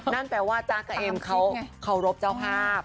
นั่นแปลว่าจ๊ะกับเอ็มเขาเคารพเจ้าภาพ